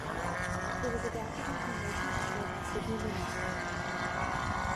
It was adapted into a motion picture by Sidney Lumet.